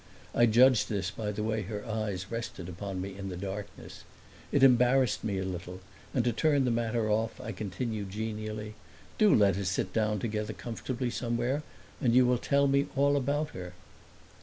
I judged this by the way her eyes rested upon me in the darkness. It embarrassed me a little, and to turn the matter off I continued genially: "Do let us sit down together comfortably somewhere, and you will tell me all about her."